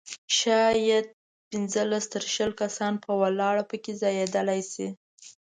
شاید پنځلس تر شل کسان په ولاړه په کې ځایېدلای شي.